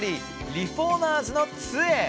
リフォーマーズの杖」。